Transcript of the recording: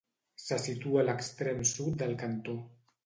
Se situa a l'extrem sud del cantó.